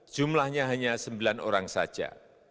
jumlahnya hanya sembilan orang saja